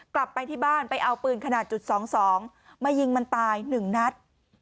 กลับไปที่บ้านไปเอาปืนขนาดจุดสองสองมายิงมันตายหนึ่งนัด